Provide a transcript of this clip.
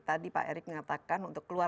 tadi pak erick mengatakan untuk keluar